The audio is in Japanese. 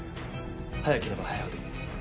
早ければ早いほどいい。